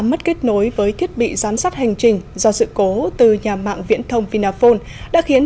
mất kết nối với thiết bị giám sát hành trình do sự cố từ nhà mạng viễn thông vinaphone đã khiến